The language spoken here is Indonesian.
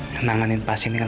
nanganin pasiennya dengan kerasa